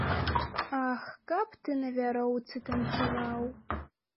Ах, каб ты на вяроўцы танцаваў.